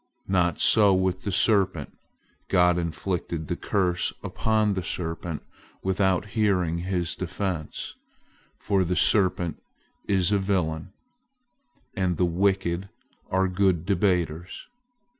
Not so with the serpent. God inflicted the curse upon the serpent without hearing his defense; for the serpent is a villain, and the wicked are good debaters.